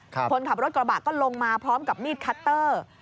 คนขับรถกระบะก็ลงมาพร้อมกับมีดคัตเตอร์